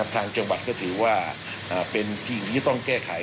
ทางจังหวัดก็ถือว่าเป็นสิ่งที่ต้องแก้ไข